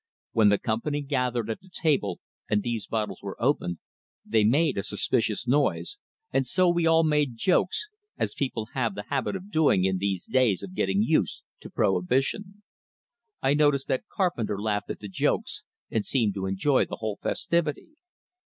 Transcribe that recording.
When the company gathered at the table and these bottles were opened, they made a suspicious noise, and so we all made jokes, as people have the habit of doing in these days of getting used to prohibition. I noticed that Carpenter laughed at the jokes, and seemed to enjoy the whole festivity.